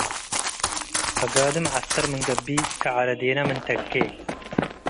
ከጋድም ዐስተር ምን ገብእ ከዐረዴነ ምን ተ’ኬ